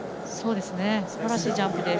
すばらしいジャンプです。